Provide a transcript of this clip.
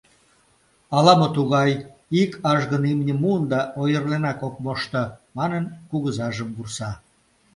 Ала-мо тугай, ик ажгын имньым муын да ойырленак ок мошто!» — манын, кугызажым вурса.